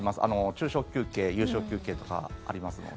昼食休憩、夕食休憩とかありますので。